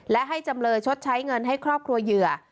และให้จำเลยชดใช้เงินให้ครอบครัวเหยื่อ